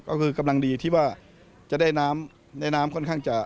ก็คือกำลังดีที่ว่าจะได้น้ำได้น้ำค่อนข้างจะ